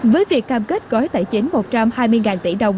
với việc cam kết gói tài chính một trăm hai mươi tỷ đồng